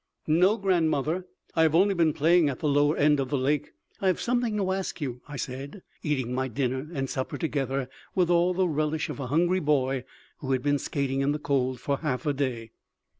"No, grandmother, I have only been playing at the lower end of the lake. I have something to ask you," I said, eating my dinner and supper together with all the relish of a hungry boy who has been skating in the cold for half a day.